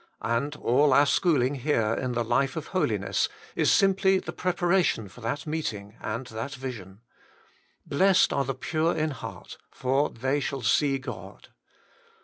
And all our schooling here in the life of holiness is simply the preparation for that meeting and that vision. ' Blessed are the pure in heart, for they shall see God.'